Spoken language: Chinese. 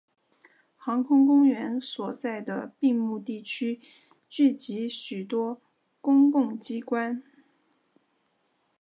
航空公园所在的并木地区聚集许多公共机关。